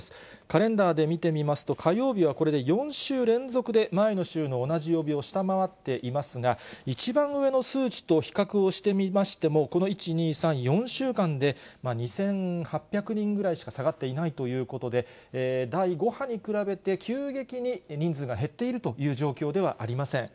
カレンダーで見てみますと、火曜日はこれで４週連続で前の週の同じ曜日を下回っていますが、一番上の数値と比較をしてみましても、この１、２、３、４週間で２８００人ぐらいしか下がっていないということで、第５波に比べて、急激に人数が減っているという状況ではありません。